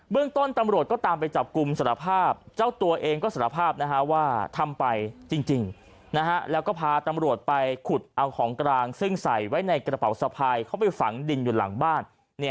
เรื่องต้นตำรวจก็ตามไปจับกลุ่มสารภาพเจ้าตัวเองก็สารภาพว่าทำไปจริงแล้วก็พาตำรวจไปขุดเอาของกลางซึ่งใส่ไว้ในกระเป๋าสะพายเข้าไปฝังดินอยู่หลังบ้าน